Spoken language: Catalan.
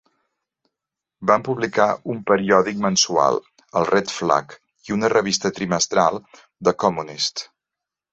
Van publicar un periòdic mensual, el "Red Flag", i una revista trimestral, "The Communist".